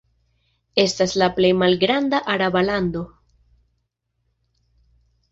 Estas la plej malgranda araba lando.